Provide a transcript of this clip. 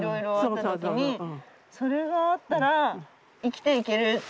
それがあったら生きていける。